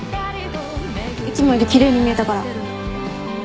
いつもより奇麗に見えたから。